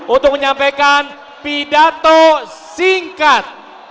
untuk menyampaikan pidato singkat